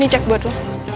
ini cek buatmu